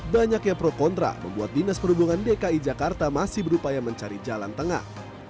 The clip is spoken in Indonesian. banyaknya pro kontra membuat dinas perhubungan dki jakarta masih berupaya mencari jalan tengah